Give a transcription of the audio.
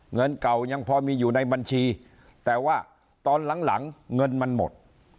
เงินเก่ายังพอมีอยู่ในบัญชีแต่ว่าตอนหลังเงินมันหมด